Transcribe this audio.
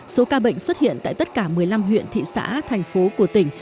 số ca bệnh xuất hiện tại tất cả một mươi năm huyện thị xã thành phố của tỉnh